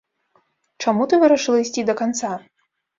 Чаму ты вырашыла ісці да канца?